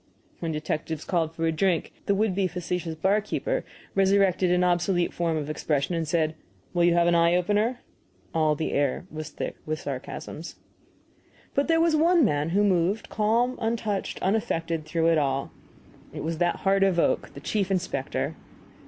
When detectives called for a drink, the would be facetious barkeeper resurrected an obsolete form of expression and said, "Will you have an eye opener?" All the air was thick with sarcasms. But there was one man who moved calm, untouched, unaffected, through it all. It was that heart of oak, the chief inspector.